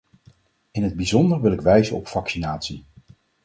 In het bijzonder wil ik wijzen op vaccinatie.